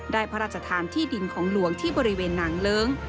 พระราชทานที่ดินของหลวงที่บริเวณหนังเลิ้ง